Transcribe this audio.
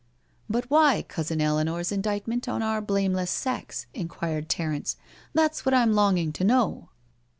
" But why cousin Eleanor's indictment on our blame less sex?'^ inquired Terence; " that's what I'm longing to know.